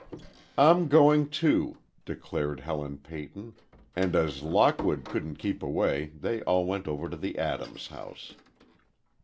"I'm going, too," declared Helen Peyton, and as Lockwood couldn't keep away, they all went over to the Adams house.